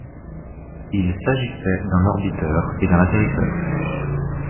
Il s'agissait d'un orbiteur et d'un atterrisseur.